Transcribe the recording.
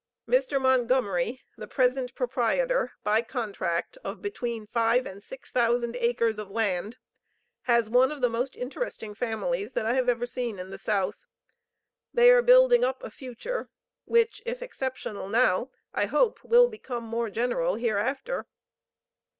Mr. Montgomery, the present proprietor by contract of between five and six thousand acres of land, has one of the most interesting families that I have ever seen in the South. They are building up a future which if exceptional now I hope will become more general hereafter.